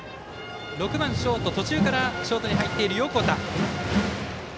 ６番、途中からショートに入っている横田。